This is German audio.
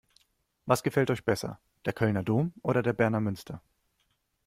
Was gefällt euch besser: Der Kölner Dom oder der Berner Münster?